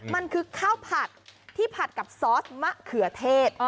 มันคือข้าวผัดที่ผัดกับซอสมะเขือเทศ